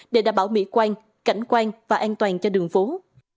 để đảm bảo mỹ quan cảnh quan và an toàn cho đường phố